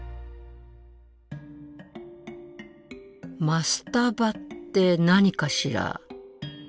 マスタバって何かしら？